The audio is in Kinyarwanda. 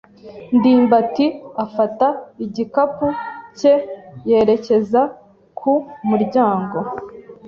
ndimbati afata igikapu cye yerekeza ku muryango.